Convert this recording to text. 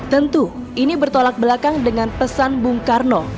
tentu ini bertolak belakang dengan pesan bung karno